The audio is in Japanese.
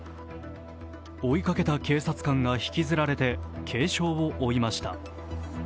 追いかけた警察官が引きずられて軽傷を負いました。